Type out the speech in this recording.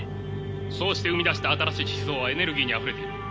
そうして生み出した新しい思想はエネルギーにあふれている。